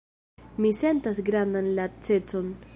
Mi sentas grandan lacecon.“